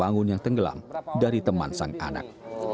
bangun yang tenggelam dari teman sang anak